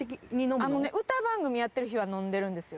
もうね、歌番組やってる日は飲んでるんですよ。